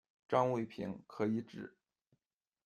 张卫平，可以指：